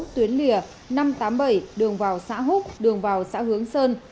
tuyến lìa năm trăm tám mươi bảy đường vào xã húc đường vào xã hướng sơn